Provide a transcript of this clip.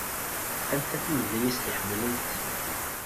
Anta tamedyazt i ḥemmlent?